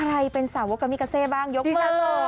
ใครเป็นสาวกกามิกาเซบ้างยกมาเลย